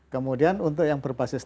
kemudian untuk yang berbasis